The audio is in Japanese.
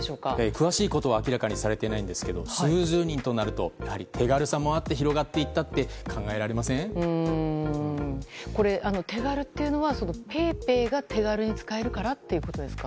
詳しいことは明らかにされていないんですが数十人というとやはり手軽さもあって広がっていったって手軽というのはＰａｙＰａｙが手軽に使えるからということですか？